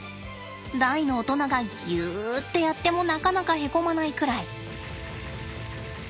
大の大人がぎゅってやってもなかなかへこまないくらい。